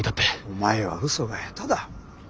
お前はうそが下手だ。